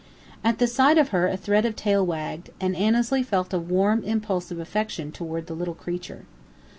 At sight of her a thread of tail wagged, and Annesley felt a warm impulse of affection toward the little creature.